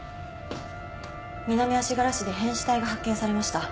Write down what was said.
南足柄市で変死体が発見されました。